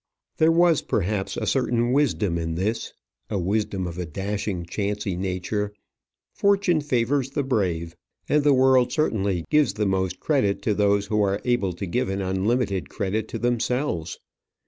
There was, perhaps, a certain wisdom in this, a wisdom of a dashing chancy nature. Fortune favours the brave; and the world certainly gives the most credit to those who are able to give an unlimited credit to themselves.